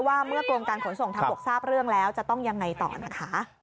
ว่าเมื่อกรมการขนส่งทางบกทราบเรื่องแล้วจะต้องยังไงต่อนะคะ